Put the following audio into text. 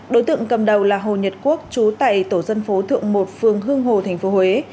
đối tượng cầm đầu là hồ nhật quốc trú tại tổ dân phố thượng một phường hương hồ tp huế